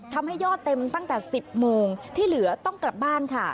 ทำให้ยอดเต็มตั้งแต่๑๐โมงที่เหลือต้องกลับบ้านค่ะ